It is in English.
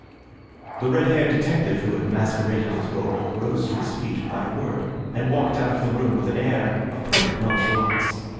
The red haired detective who had masqueraded as Gogol rose to his feet without a word, and walked out of the room with an air of perfect nonchalance.